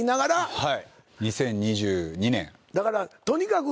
はい。